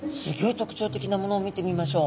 特徴的な物を見てみましょう。